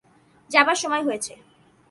যাবার সময় হয়েছে!